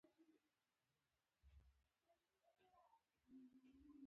نه، نه کېږو، ځکه ته ډېره زړوره یې.